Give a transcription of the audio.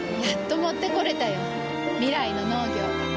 やっと持ってこれたよ。未来の農業。